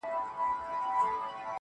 بیا مکمل ازادي غواړي